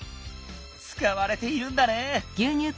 つかわれているんだね。